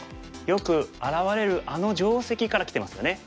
よく現れるあの定石からきてますよね。